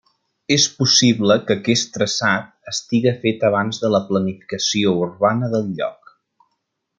És possible que aquest traçat estiga fet abans de la planificació urbana del lloc.